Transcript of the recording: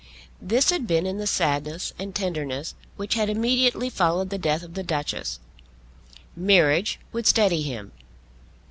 This had been in the sadness and tenderness which had immediately followed the death of the Duchess. Marriage would steady him.